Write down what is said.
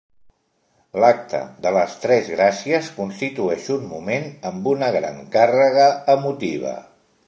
L'Acte de les Tres Gràcies constitueix un moment amb una gran càrrega emotiva.